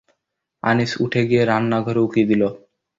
আনিস উঠে গিয়ে রান্না ঘরে উঁকি দিল।